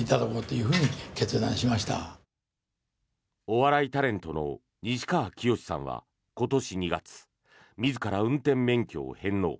お笑いタレントの西川きよしさんは今年２月自ら運転免許を返納。